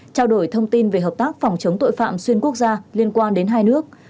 trao đổi thông tin về hợp tác phòng chống tội phạm xuyên quốc gia liên quan đến hai nước